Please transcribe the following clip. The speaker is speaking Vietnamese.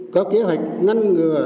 có kế hoạch ngăn ngừa